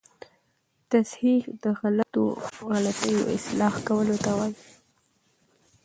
تصحیح د غلطیو اصلاح کولو ته وايي.